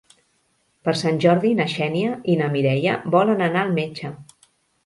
Per Sant Jordi na Xènia i na Mireia volen anar al metge.